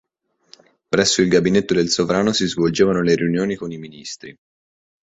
Presso il gabinetto del sovrano si svolgevano le riunioni con i ministri.